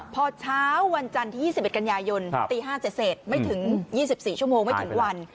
พอเช้าวันจันทร์ที่๒๑กันยายนตี๕เสร็จไม่ถึง๒๔ชั่วโมงไม่ถึงวัน